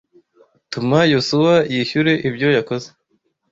Tuma Yosuwa yishyure ibyo yakoze.